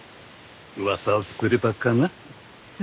噂をすればかな？